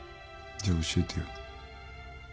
じゃあ教えてよ。